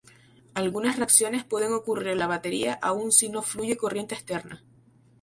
Algunas reacciones pueden ocurrir en la batería aún si no fluye corriente externa.